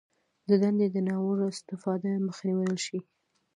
د دندې د ناوړه استفادې مخه ونیول شوه